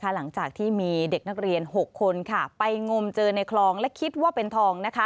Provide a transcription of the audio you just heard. หลังจากที่มีเด็กนักเรียน๖คนไปงมเจอในคลองและคิดว่าเป็นทอง